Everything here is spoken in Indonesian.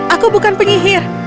aku bukan penyihir